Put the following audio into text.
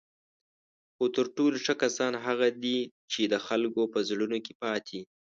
خو تر ټولو ښه کسان هغه دي چی د خلکو په زړونو کې پاتې